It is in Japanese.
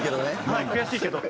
はい悔しいけど。